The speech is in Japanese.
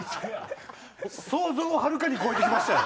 想像をはるかに超えてきましたよ。